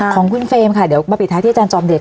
ของคุณเฟรมค่ะเดี๋ยวมาปิดท้ายที่อาจารย์จอมเดช